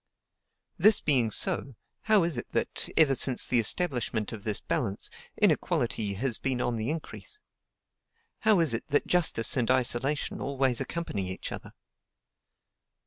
This being so, how is it that, ever since the establishment of this balance, inequality has been on the increase? How is it that justice and isolation always accompany each other?